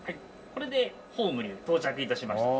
これでホームに到着致しました。